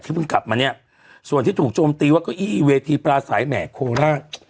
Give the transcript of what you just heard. เพิ่งกลับมาเนี่ยส่วนที่ถูกโจมตีว่าเก้าอี้เวทีปลาสายแหม่โคราช